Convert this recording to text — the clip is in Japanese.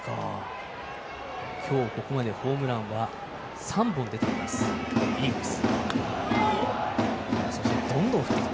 今日、ここまでホームランは３本出ていますイーグルス。